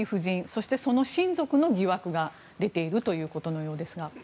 そして、その親族の疑惑が出ているということのようですが。